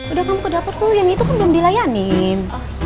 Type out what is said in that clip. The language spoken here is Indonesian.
udah kamu ke dapur tuh yang itu kan belum dilayanin